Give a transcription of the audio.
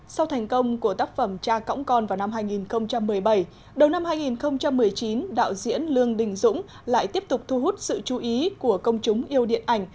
sau thành công của tác phẩm cha cõng con vào năm hai nghìn một mươi bảy đầu năm hai nghìn một mươi chín đạo diễn lương đình dũng lại tiếp tục thu hút sự chú ý của công chúng yêu điện ảnh